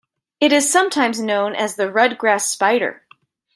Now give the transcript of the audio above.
It is sometimes known as the red grass spider.